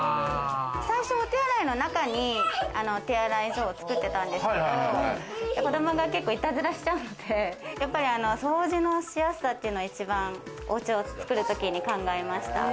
最初、お手洗いの中にお手洗い所を作ってたんですけど、子供が結構いたずらしちゃうので、掃除のしやすさっていうのは一番お家を作るときに考えました。